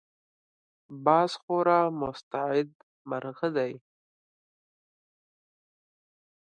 باز خورا مستعد مرغه دی